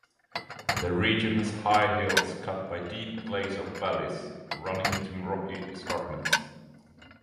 The region has high hills cut by deep glacial valleys running between rocky escarpments.